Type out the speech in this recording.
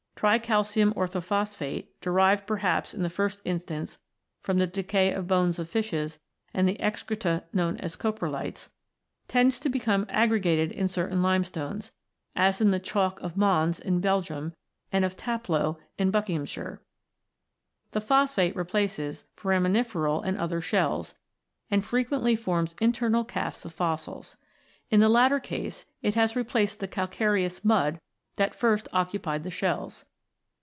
Tricalcium orthophosphate, ii] THE LIMESTONES 37 derived, perhaps, in the first instance from the decay of bones of fishes and the excreta known as coprolites, tends to become aggregated in certain limestones, as in the chalk of Mons in Belgium and of Taplow in Buckinghamshire. The phosphate replaces fora miniferal and other shells, and frequently forms internal casts of fossils. In the latter case, it has replaced the calcareous mud that first occupied the shells.